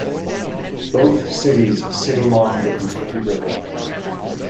Both cities sit along the Kentucky River.